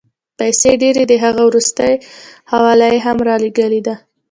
پیسې ډېرې دي، هغه وروستۍ حواله یې هم رالېږلې ده.